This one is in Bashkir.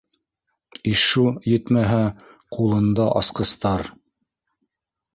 Ишшу етмәһә, ҡулында - асҡыстар.